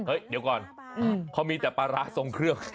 เดี๋ยวก่อนเขามีแต่ปลาร้าทรงเครื่อง